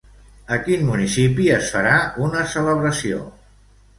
A quin municipi es farà una celebració?